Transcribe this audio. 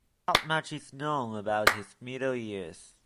Not much is known about his middle years.